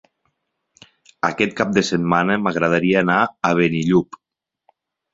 Aquest cap de setmana m'agradaria anar a Benillup.